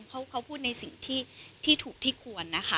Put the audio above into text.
เขาพูดในสิ่งที่ถูกที่ควรนะคะ